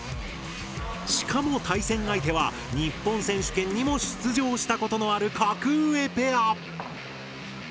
しかも対戦相手は日本選手権にも出場したことのある格上ペア。